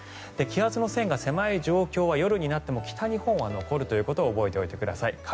気圧の線が狭い状況は夜になっても北日本は残るということを覚えておいてください。